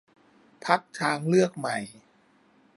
พรรคทางเลือกใหม่